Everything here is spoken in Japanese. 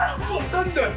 何だよ！？